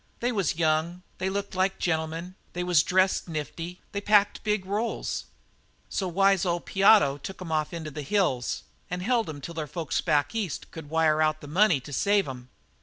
They was young, they looked like gentlemen, they was dressed nifty, and they packed big rolls. So wise old Piotto took 'em off into the hills and held 'em till their folks back East could wire out the money to save 'em.